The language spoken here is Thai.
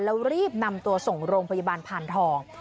แล้วรีบนำตัวส่งโรงพยาบาลพานทอง